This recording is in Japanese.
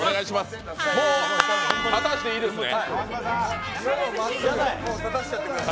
もう立たしていいですね。